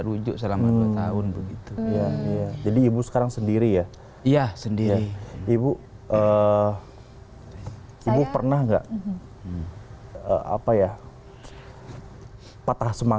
rujuk selama dua tahun begitu jadi ibu sekarang sendiri ya iya sendiri ibu dua ribu tiga puluh gak apa ya ya kamu